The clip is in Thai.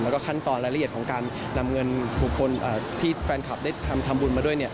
แล้วก็ขั้นตอนรายละเอียดของการนำเงินบุคคลที่แฟนคลับได้ทำบุญมาด้วย